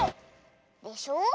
でしょ。